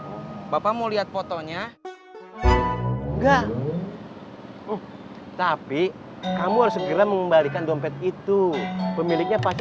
oh bapak mau lihat fotonya enggak tapi kamu harus segera mengembalikan dompet itu pemiliknya pasti